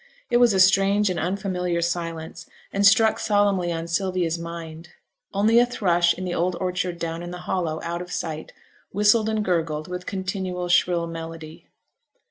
It was a strange and unfamiliar silence, and struck solemnly on Sylvia's mind. Only a thrush in the old orchard down in the hollow, out of sight, whistled and gurgled with continual shrill melody.